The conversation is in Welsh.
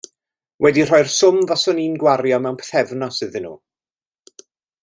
Wedi rhoi'r swm faswn i'n gwario mewn pythefnos iddyn nhw.